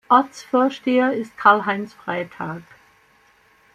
Ortsvorsteher ist Karl-Heinz Freitag.